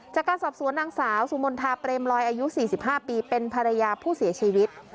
จากการสอบสวนนางสาวสุมนทาเปรมลอยอายุ๔๕ปีเป็นภรรยาผู้เสียชีวิต